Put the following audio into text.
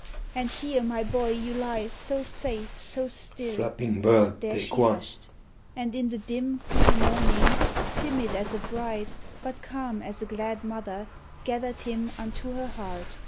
And here, my boy, you lie, so safe, so still" But there she hushed; and in the dim, Cool morning, timid as a bride, but calm As a glad mother, gathered him Unto her heart.